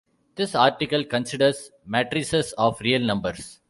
This article considers matrices of real numbers.